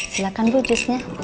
silahkan bu jusnya